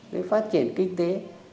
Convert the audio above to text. để phát triển kinh tế